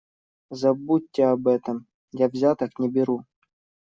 Забудьте об этом - я взяток не беру.